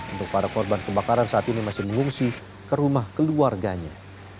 untuk para korban kebakaran saat ini masih diungsi ke rumah keluarganya